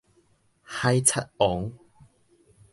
海賊王